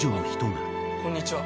こんにちは。